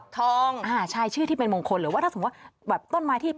ต้นโพก็ได้ใหญ่ดี